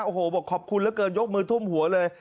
โอ้โหบอกขอบคุณเหลือเกินยกมือทุ่มหัวเลย